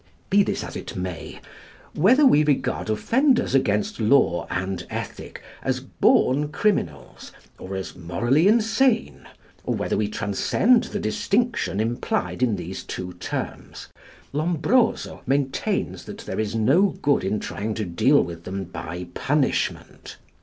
Be this as it may, whether we regard offenders against law and ethic as "born criminals," or as "morally insane," or whether we transcend the distinction implied in these two terms, Lombroso maintains that there is no good in trying to deal with them by punishment.